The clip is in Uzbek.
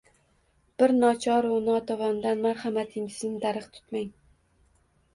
Bir nochoru notavondan marhamatingizni darig` tutmang